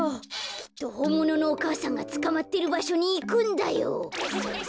きっとほんもののお母さんがつかまってるばしょにいくんだよ。